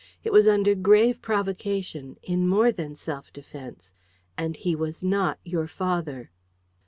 It was under grave provocation...in more than self defence...and he was NOT your father."